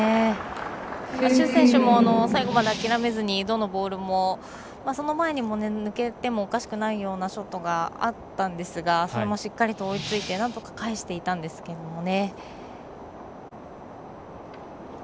朱選手も最後まで諦めずにどのボールもその前にも抜けてもおかしくないようなショットがあったんですがそれもしっかりと追いついてなんとか返していたんですけどね。